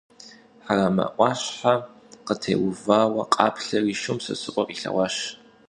Хьэрэмэ ӏуащхьэ къытеувауэ къаплъэри, шум Сосрыкъуэ къилъэгъуащ.